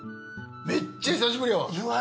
めっちゃ久しぶりやわ。